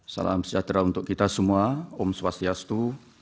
salam sejahtera untuk kita semua om swastiastu